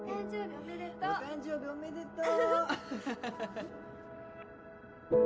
お誕生日おめでとう！